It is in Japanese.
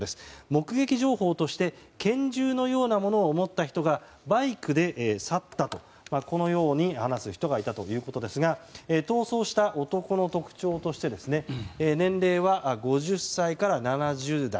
目撃情報として拳銃のようなものを持った人がバイクで去ったと話す人がいたということですが逃走した男の特徴として年齢は５０歳から７０代。